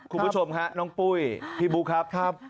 คุณผู้ชมฮะน้องปุ้ยพี่บุ๊คครับ